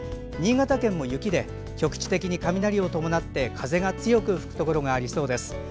新潟県も雪で局地的に雷を伴って風が強く吹くところがありそうです。